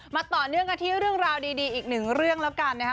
ต่อเนื่องกันที่เรื่องราวดีอีกหนึ่งเรื่องแล้วกันนะครับ